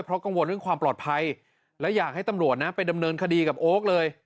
เพราะกังวลเรื่องความปลอดภัยและอยากให้ตำรวจนะไปดำเนินคดีกับโอ๊คเลย